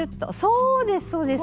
そうですそうです！